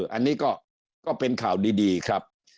อันนี้ก็เป็นข่าวดีครับ